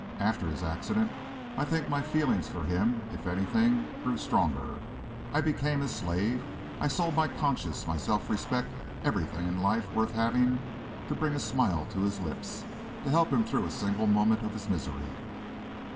After his accident, I think my feelings for him, if anything, grew stronger. I became his slave. I sold my conscience, my self respect, everything in life worth having, to bring a smile to his lips, to help him through a single moment of his misery.